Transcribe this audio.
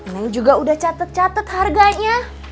ini juga udah catet catet harganya